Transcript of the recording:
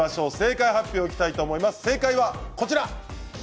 正解は、こちら。